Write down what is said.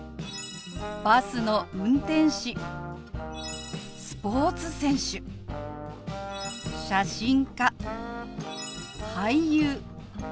「バスの運転士」「スポーツ選手」「写真家」「俳優」